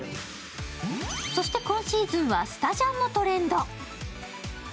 そして今シーズンはスタジャンもトレンド。